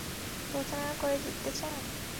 প্রতারণা করে জিততে চান?